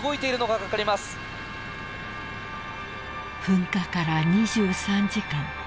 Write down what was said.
［噴火から２３時間］